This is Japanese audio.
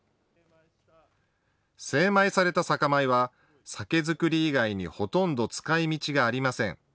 精米された酒米は酒造り以外にほとんど使いみちがありません。